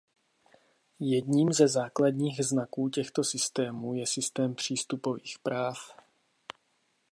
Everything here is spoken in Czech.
Jedním ze základních znaků těchto systémů je systém přístupových práv.